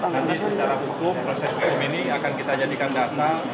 nanti secara hukum proses hukum ini akan kita jadikan dasar